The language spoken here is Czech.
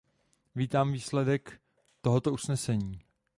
Vítám výsledek tohoto usnesení.